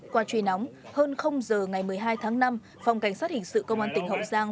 qua truy nóng hơn giờ ngày một mươi hai tháng năm phòng cảnh sát hình sự công an tỉnh hậu giang